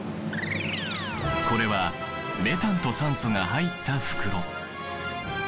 これはメタンと酸素が入った袋。